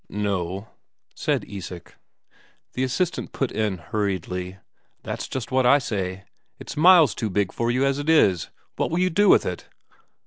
"No o," said Isak. The assistant put in hurriedly: "That's just what I say. It's miles too big for you as it is. What will you do with it?"